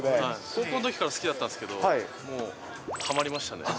高校のときから好きだったんはまりました？